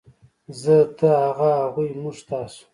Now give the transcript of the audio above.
زۀ ، تۀ ، هغه ، هغوی ، موږ ، تاسو